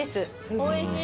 おいしい！